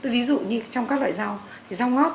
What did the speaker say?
ví dụ như trong các loại rau rau ngót